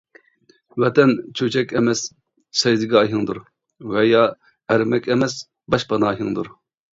ۋەتەن چۆچەك ئەمەس، سەجدىگاھىڭدۇر، ۋە يا ئەرمەك ئەمەس، باشپاناھىڭدۇر.